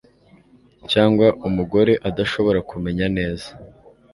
cyangwa umugore adashobora kumenya neza